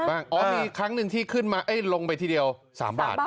อ๋อมีครั้งนึงที่ลงไปทีเดียว๓บาท